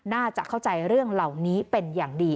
น่าจะเข้าใจเรื่องเหล่านี้เป็นอย่างดี